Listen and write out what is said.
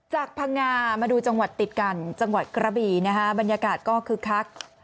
พังงามาดูจังหวัดติดกันจังหวัดกระบีนะฮะบรรยากาศก็คึกคัก